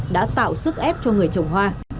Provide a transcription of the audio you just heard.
một mươi ba mươi đã tạo sức ép cho người trồng hoa